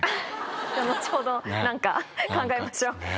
じゃ後ほど何か考えましょう。